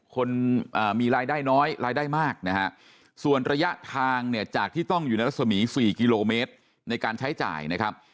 คนมีรายได้น้อยรายได้มากนะฮะส่วนระยะทางเนี่ยจากที่ต้องอยู่ในรัศมี๔กิโลเมตรในการใช้จ่ายนะครับ